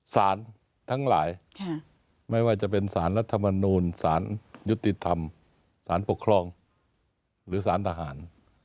สารทั้งหลายไม่ว่าจะเป็นสารรัฐมนูลสารยุติธรรมสารปกครองหรือสารทหาร